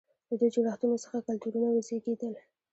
له دې جوړښتونو څخه کلتورونه وزېږېدل.